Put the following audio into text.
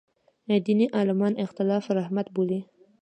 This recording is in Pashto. دیني عالمان اختلاف رحمت بولي.